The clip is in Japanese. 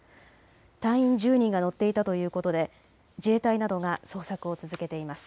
隊員１０人が乗っていたということで自衛隊などが捜索を続けています。